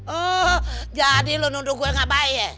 oh jadi lo nunduk gue enggak baik ya